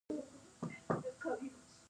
په افغانستان کې لمریز ځواک ډېر اهمیت لري.